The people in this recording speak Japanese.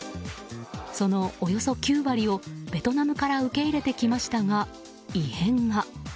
そのおよそ９割をベトナムから受け入れてきましたが異変が。